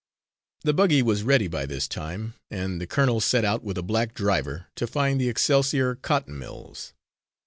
The buggy was ready by this time, and the colonel set out, with a black driver, to find the Excelsior Cotton Mills.